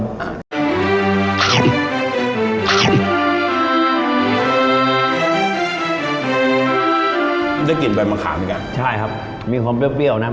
มันได้กลิ่นบ่ายมะขามด้วยกันใช่คับมีความเปรี้ยวนะ